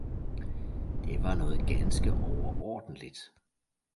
det var noget ganske overordentligt.